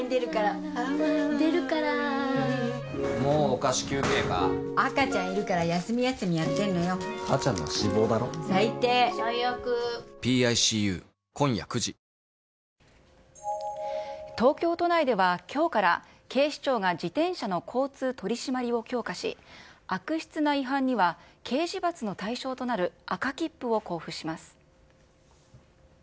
およそ１０人が路上で乱東京都内ではきょうから警視庁が自転車の交通取締りを強化し、悪質な違反には刑事罰の対象となる赤切符を交付します。